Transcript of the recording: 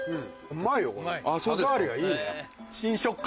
うまいよ。